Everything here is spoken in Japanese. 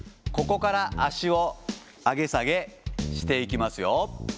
ここから足を上げ下げしていきますよ。